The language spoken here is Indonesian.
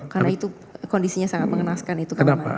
karena itu kondisinya sangat mengenaskan itu kamar mandi